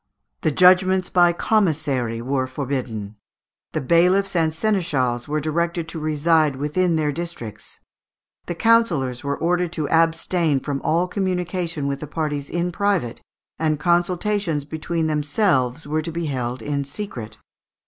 The judgments by commissary were forbidden. The bailiffs and seneschals were directed to reside within their districts. The councillors were ordered to abstain from all communication with the parties in private, and consultations between themselves were to be held in secret.